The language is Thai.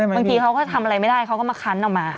บางทีเขาก็ทำอะไรไม่ได้เขาก็มาคั้นออกมา